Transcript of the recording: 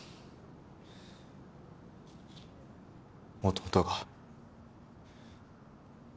弟が。